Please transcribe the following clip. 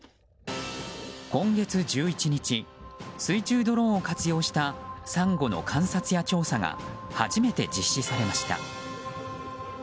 今月１１日水中ドローンを活用したサンゴの観察や調査が初めて実施されました。